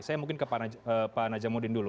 saya mungkin ke pak najamuddin dulu